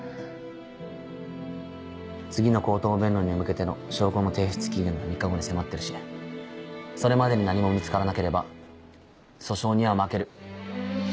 次の口頭弁論に向けての証拠の提出期限が３日後に迫ってるしそれまでに何も見つからなければ訴訟には負ける。